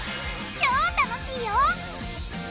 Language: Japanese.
超楽しいよ！